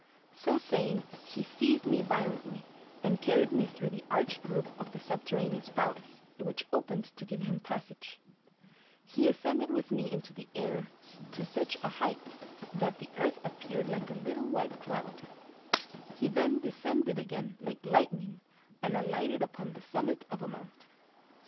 So saying, he seized me violently, and carried me through the arched roof of the subterraneous palace, which opened to give him passage; he ascended with me into the air to such a height, that the earth appeared like a little white cloud; he then descended again like lightning, and alighted upon the summit of a mountain.